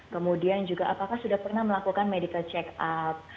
kemudian juga apakah sudah pernah melakukan medical check up